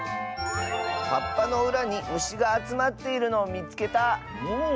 はっぱのうらにむしがあつまっているのをみつけた！